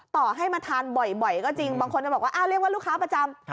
ต่อให้มาทานบ่อยก็จริงบางคนจะบอกว่าเรียกว่าลูกค้าประจำ